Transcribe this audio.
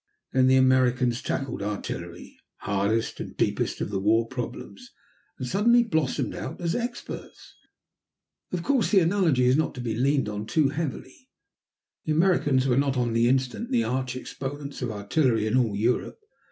Then the Americans tackled artillery, hardest and deepest of the war problems, and suddenly blossomed out as experts. Of course, the analogy is not to be leaned on too heavily. The Americans were not, on the instant, the arch exponents of artillery in all Europe.